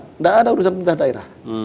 tidak ada urusan pemerintah daerah